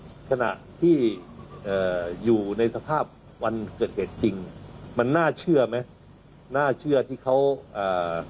ขณะที่เอ่ออยู่ในสภาพวันเกิดเหตุจริงมันน่าเชื่อไหมน่าเชื่อที่เขาอ่า